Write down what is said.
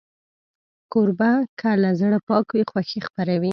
کوربه که له زړه پاک وي، خوښي خپروي.